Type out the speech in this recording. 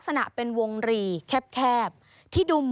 สวัสดีค่ะสวัสดีค่ะ